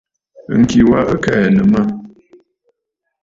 Ŋ̀ki wa ɨ kɛ̀ɛ̀nə̀ mə̂.